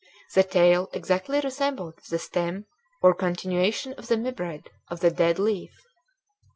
The tail exactly resembled the stem or continuation of the midrib of the dead leaf.